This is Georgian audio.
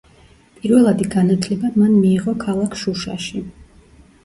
პირველადი განათლება მან მიიღო ქალაქ შუშაში.